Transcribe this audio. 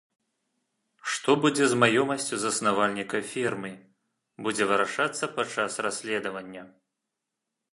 Што будзе з маёмасцю заснавальніка фірмы, будзе вырашацца падчас расследавання.